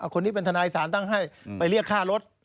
คนนี้เป็นทนายศาลตั้งให้ไปเรียกค่ารถ